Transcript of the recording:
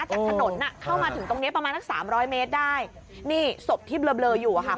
จากถนนอ่ะเข้ามาถึงตรงเนี้ยประมาณสักสามร้อยเมตรได้นี่ศพที่เบลออยู่อ่ะค่ะ